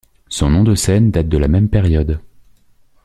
Son nom de scène date de la même période.